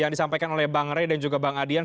disampaikan oleh bang ray dan juga bang adian